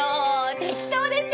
適当でしょ！